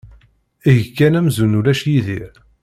Eg kan amzun ulac Yidir.